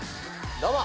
どうも。